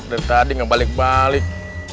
udah tadi gak balik balik